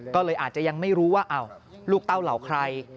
ก็เลยอาจจะยังไม่รู้ว่าลูกเต้าเหล่าใคร